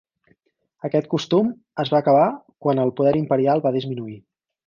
Aquest costum es va acabar quan el poder imperial va disminuir.